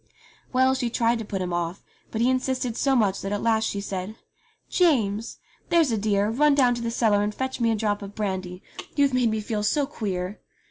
Well, she tried to put him off ; but he insisted so much that at last she said : "James ! there's a dear, run down to the cellar and fetch me a drop of brandy. You've made me feel so queer